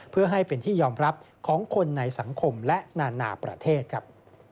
เพื่อให้เป็นที่ยอมรับของคนในสังคมและนานาประเทศครับ